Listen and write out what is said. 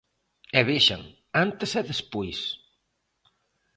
E vexan, antes e despois.